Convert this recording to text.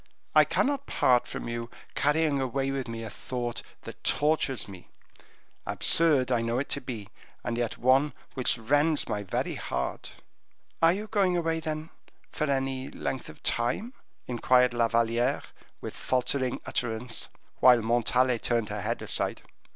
"I cannot part from you, carrying away with me a thought that tortures me; absurd I know it to be, and yet one which rends my very heart." "Are you going away, then, for any length of time?" inquired La Valliere, with faltering utterance, while Montalais turned her head aside.